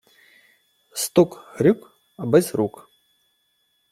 Стук-грюк, аби з рук.